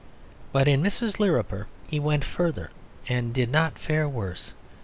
But in Mrs. Lirriper he went further and did not fare worse.